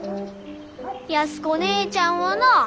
安子ねえちゃんはなあ